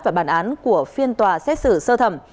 và bản án của phiên tòa xét xử sơ thẩm